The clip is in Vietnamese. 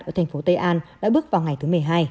ở thành phố tây an đã bước vào ngày thứ một mươi hai